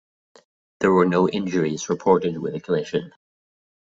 There were no injuries reported with the collision.